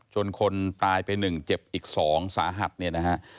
จนคนตายไปหนึ่งเจ็บอีกสองสาหัสเนี่ยนะฮะ